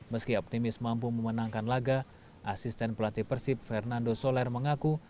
meski optimis mampu memenangkan laga asisten pelatih persib fernando soler mengaku